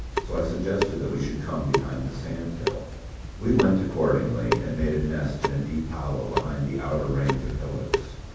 So I suggested that we should come behind the sandhill. We went accordingly, and made a nest in a deep hollow behind the outer range of hillocks.